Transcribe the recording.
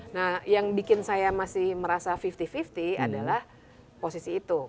nah yang bikin saya masih merasa lima puluh lima puluh adalah posisi itu